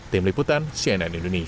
tim liputan cnn indonesia